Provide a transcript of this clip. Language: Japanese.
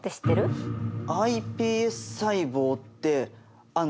ｉＰＳ細胞ってあっ